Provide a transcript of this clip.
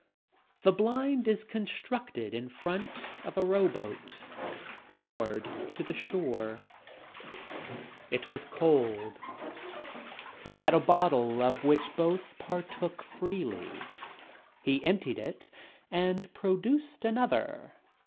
The blind is constructed in front of a row boat moored to the shore. It was cold. He had a bottle of which both par took freely. He emptied it and produced another.